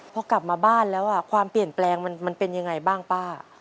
พอกลับมาบ้านแล้วความเปลี่ยนแปลงมันเป็นยังไงบ้างป้า